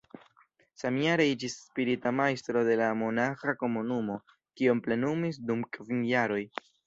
Samjare iĝis spirita majstro de la monaĥa komunumo, kion plenumis dum kvin jaroj.